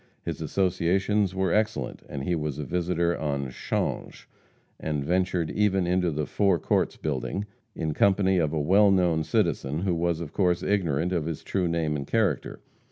His associations were excellent, and he was a visitor on 'Change, and ventured even into the Four Courts building, in company with a well known citizen, who was, of course, ignorant of his true name and character.